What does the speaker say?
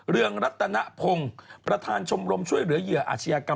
เรืองรัตนพงศ์ประธานชมรมช่วยเหลือเหยื่ออาชญากรรม